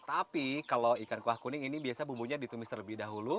tapi kalau ikan kuah kuning ini biasa bumbunya ditumis terlebih dahulu